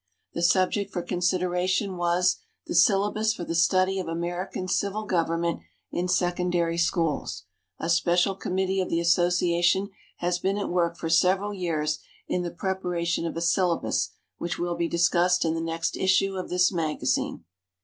The subject for consideration was the "Syllabus for the Study of American Civil Government in Secondary Schools." A special committee of the association has been at work for several years in the preparation of a syllabus, which will be discussed in the next issue of this magazine.